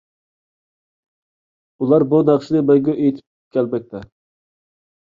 ئۇلار بۇ ناخشىنى مەڭگۈ ئېيتىپ كەلمەكتە.